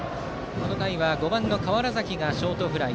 この回は５番の川原崎がショートフライ。